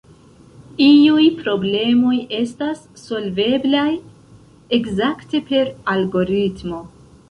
Iuj problemoj estas solveblaj ekzakte per algoritmo.